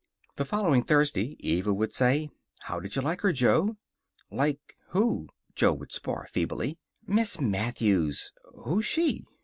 The following Thursday Eva would say, "How did you like her, Jo?" "Like who?" Joe would spar feebly. "Miss Matthews." "Who's she?"